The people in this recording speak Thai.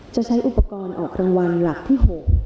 จะใช้อุปกรณ์ออกรางวัลหลักที่๖